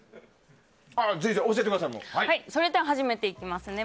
それでは始めていきますね。